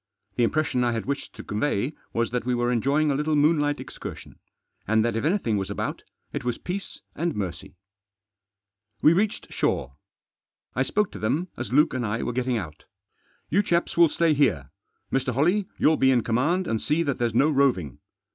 The impression I had wished to convey was that we were enjoying a little moonlight excursion, and that if anything was about, it was peace and mercy. We reached shore. I spoke to them as Luke and I were getting out. " You chaps will stay here. Mr. Holley, you'll be in command and see that there's no roving.